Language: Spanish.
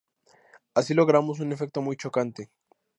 Así logramos un efecto muy chocante.